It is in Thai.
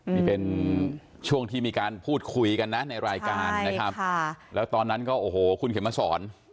มีเป็นช่วงที่มีการพูดคุยกันนะในรายการไหมฮะแล้วตอนนั้นก็โอ้โหขุมหรือสอน